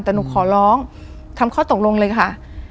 แต่หนูขอร้องทำข้อตกลงเลยค่ะ